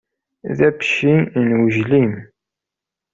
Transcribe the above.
D abecci n wejlim.